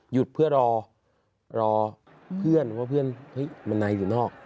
หยุดเพื่อรอเพื่อนว่าเพื่อนมันในหรือนอก